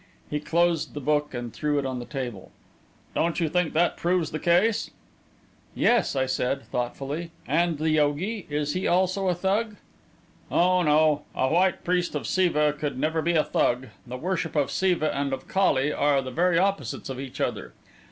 '" He closed the book and threw it on the table. "Don't you think that proves the case?" "Yes," I said, thoughtfully. "And the yogi is he also a Thug?" "Oh, no; a White Priest of Siva could never be a Thug. The worship of Siva and of Kali are the very opposites of each other.